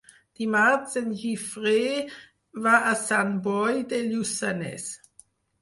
Dimarts en Guifré va a Sant Boi de Lluçanès.